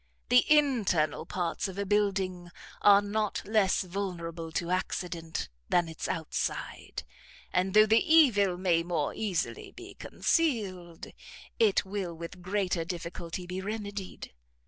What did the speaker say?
The internal parts of a building are not less vulnerable to accident than its outside; and though the evil may more easily be concealed, it will with greater difficulty be remedied.